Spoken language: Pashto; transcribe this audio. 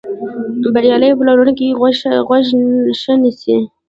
بریالی پلورونکی غوږ ښه نیسي.